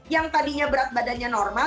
yang tadinya berat badannya normal